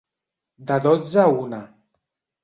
De dotze a una.